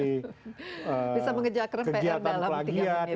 bisa mengejarkan pr dalam tiga minggu